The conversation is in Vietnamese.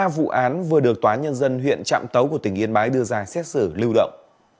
ba vụ án vừa được tòa nhân dân huyện trạm tấu của tỉnh yên bái đưa ra xét xử lưu động